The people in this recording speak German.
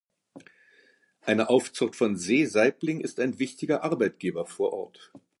Eine Aufzucht von Seesaibling ist ein wichtiger Arbeitgeber vor Ort.